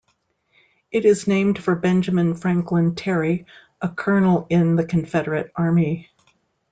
It is named for Benjamin Franklin Terry, a colonel in the Confederate Army.